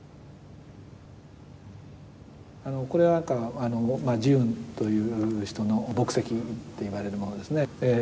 これは慈雲という人の墨跡と言われるものですね。